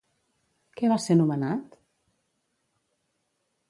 Què va ser nomenat?